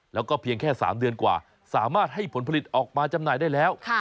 แล้วก็เพียงแค่๓เดือนกว่าสามารถให้ผลผลิตออกมาจำหน่ายได้แล้ว